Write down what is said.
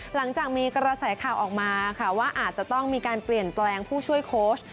หลังจากมีกระแสข่าวออกมาค่ะว่าอาจจะต้องมีการเปลี่ยนแปลงผู้ช่วยโค้ช